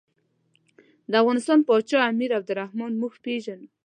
د افغانستان پاچا امیر عبدالرحمن موږ پېژنو.